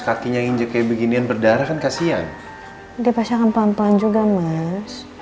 kakinya injek kayak beginian berdarah kan kasihan dia pasangkan pelan pelan juga mas